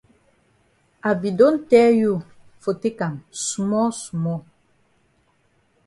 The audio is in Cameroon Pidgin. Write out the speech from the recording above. I be don tell you for take am small small.